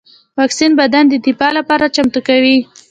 واکسین بدن د دفاع لپاره چمتو کوي